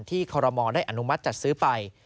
คอรมอลได้อนุมัติจัดซื้อไป